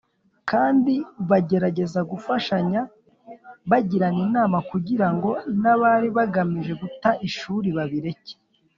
kandi bagerageza gufashanya bagirana inama kugira ngo n’abari bagamije guta ishuri babireke.